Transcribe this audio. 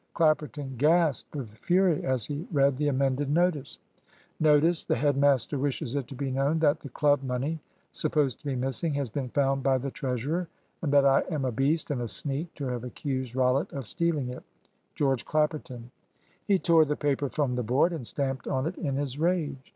Clapperton gasped with fury as he read the amended notice: "Notice. "The head master wishes it to be known that, the Club money supposed to be missing has been found by the treasurer, and that I am a beast and a sneak to have accused Rollitt of stealing it. "Geo. Clapperton." He tore the paper from the board, and stamped on it in his rage.